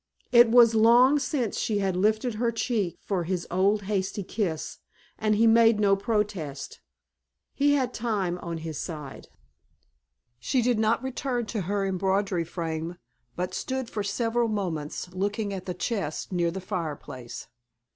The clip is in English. It was long since she had lifted her cheek for his old hasty kiss, and he made no protest. He had time on his side. She did not return to her embroidery frame but stood for several moments looking at the chest near the fireplace.